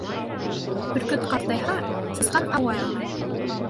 Бөркөт ҡартайһа, сысҡан аулай алмай.